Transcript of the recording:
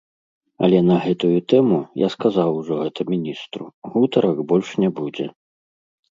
Але на гэтую тэму, я сказаў ужо гэта міністру, гутарак больш не будзе.